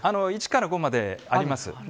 １から５まであります。